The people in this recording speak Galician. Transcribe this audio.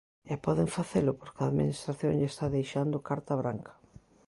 E poden facelo porque a administración lle está deixando carta branca.